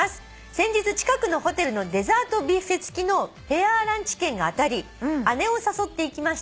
「先日近くのホテルのデザートビュッフェ付きのペアランチ券が当たり姉を誘って行きました」